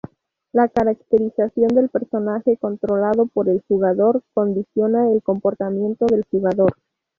La caracterización del personaje controlado por el jugador condiciona el comportamiento del jugador.